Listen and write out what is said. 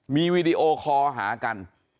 มีวีดีโอคอหากัน